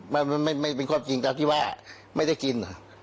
มันไม่เป็นความจริงตามที่ว่าไม่ได้กิน